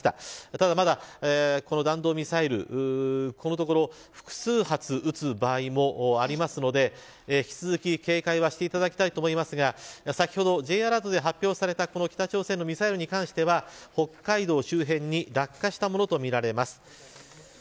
ただ、まだこの弾道ミサイルここのところ複数発撃つ場合もありますので引き続き警戒はしていただきたいと思いますが先ほど、Ｊアラートで発表された北朝鮮のミサイルに関しては北海道周辺に落下したものとみられます。